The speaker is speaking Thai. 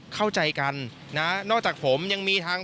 เข้าใจกันนะนอกจากผมยังมีทาง